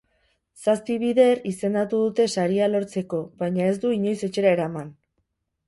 Zazpi bider izendatu dute saria lortzeko, baina ez du inoiz etxera eraman.